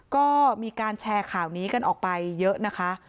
ก็มีการแชร์ข่าวนี้กันออกไปเยอะนะคะ